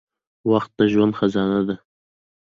• وخت د ژوند خزانه ده.